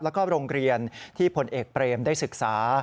แล้วก็โรงเรียนที่ผลเอกเปรมได้ศึกษา